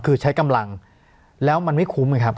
คือใช้กำลังแล้วมันไม่คุ้มไงครับ